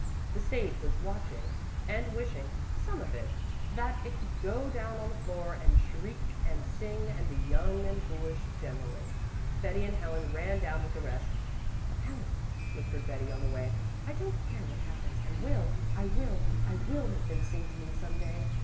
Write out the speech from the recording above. The stage was watching, and wishing some of it that it could go down on the floor and shriek and sing and be young and foolish generally. Betty and Helen ran down with the rest. "Helen," whispered Betty on the way, "I don't care what happens, I will, I will, I will make them sing to me some day.